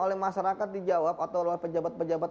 oleh masyarakat dijawab atau oleh pejabat pejabat